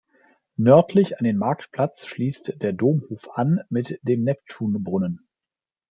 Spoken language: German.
Nördlich an den Marktplatz schließt der Domshof an mit dem Neptunbrunnen.